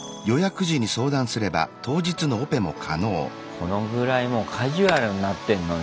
このぐらいもうカジュアルになってんのね